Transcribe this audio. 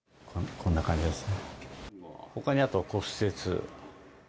こんな感じですね。